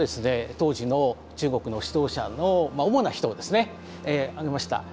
当時の中国の指導者の主な人をですね挙げました。